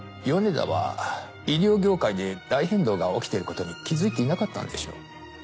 米田は医療業界で大変動が起きていることに気づいていなかったんでしょう。